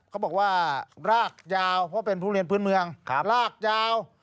เขาบอกว่ารากยาวเพราะเป็นทุเรียนพื้นเมืองลากยาว